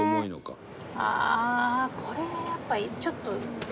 ああこれはやっぱちょっと。